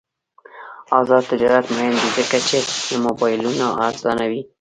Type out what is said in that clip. آزاد تجارت مهم دی ځکه چې موبایلونه ارزانوي.